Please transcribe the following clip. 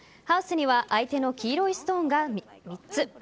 ハウスには相手の黄色いストーンが３つ。